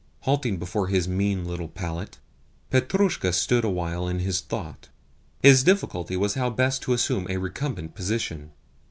Halting before his mean little pallet, Petrushka stood awhile in thought. His difficulty was how best to assume a recumbent position.